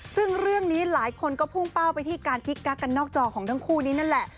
ซึ่งเรื่องนี้หลายคนก็พุ่งเป้าไปที่การกิ๊กกักกันนอกจอของทั้งคู่นี้นั่นแหละ